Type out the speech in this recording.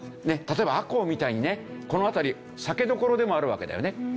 例えば赤穂みたいにねこの辺り酒どころでもあるわけだよね。